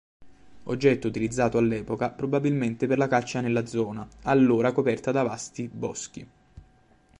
Oggetto utilizzato all'epoca probabilmente per la caccia nella zona, allora coperta da vasti boschi.